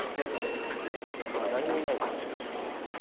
誰もいないですね。